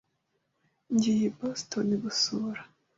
Ngiye i Boston gusura .